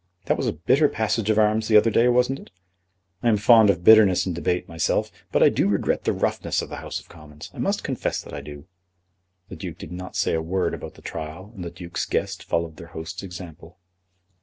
That was a bitter passage of arms the other day, wasn't it? I am fond of bitterness in debate myself, but I do regret the roughness of the House of Commons. I must confess that I do." The Duke did not say a word about the trial, and the Duke's guests followed their host's example.